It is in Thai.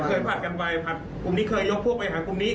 เคยผ่านกันไว้คลุมนี้เคยยกพวกไปหากลุ่มนี้